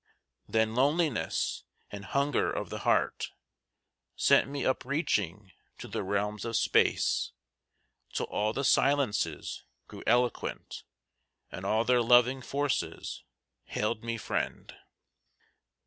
Then loneliness and hunger of the heart Sent me upreaching to the realms of space, Till all the silences grew eloquent, And all their loving forces hailed me friend.